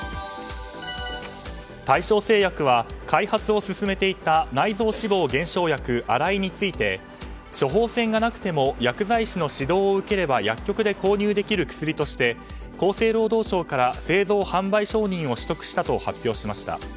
大正製薬は、開発を進めていた内臓脂肪減少薬アライについて処方箋がなくても薬剤師の指導を受ければ薬局で購入できる薬として厚生労働省から製造販売承認を取得したと発表しました。